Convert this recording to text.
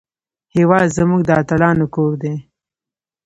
هېواد زموږ د اتلانو کور دی